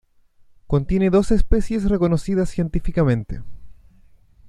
Contiene dos especies reconocidas científicamente.